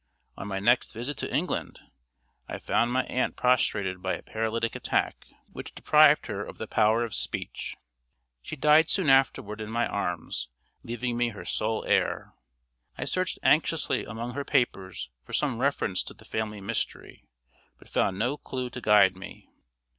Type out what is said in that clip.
On my next visit to England I found my aunt prostrated by a paralytic attack, which deprived her of the power of speech. She died soon afterward in my arms, leaving me her sole heir. I searched anxiously among her papers for some reference to the family mystery, but found no clew to guide me.